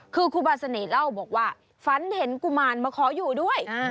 คือครูบาเสน่ห์เล่าบอกว่าฝันเห็นกุมารมาขออยู่ด้วย